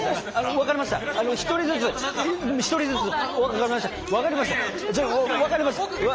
分かりました。